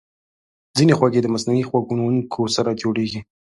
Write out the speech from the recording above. ځینې خوږې د مصنوعي خوږونکو سره جوړېږي.